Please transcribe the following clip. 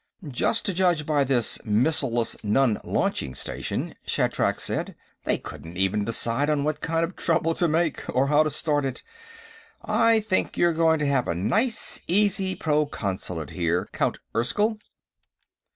"Just to judge by this missileless non launching station," Shatrak said, "they couldn't even decide on what kind of trouble to make, or how to start it. I think you're going to have a nice easy Proconsulate here, Count Erskyll."